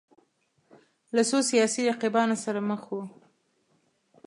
له څو سیاسي رقیبانو سره مخ وو